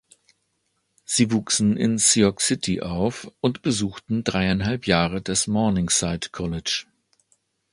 Sie wuchsen in Sioux City auf und besuchten dreieinhalb Jahre das Morningside College.